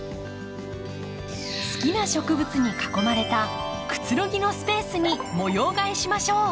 好きな植物に囲まれたくつろぎのスペースに模様替えしましょう！